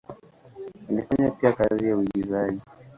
Alifanya pia kazi ya uigizaji.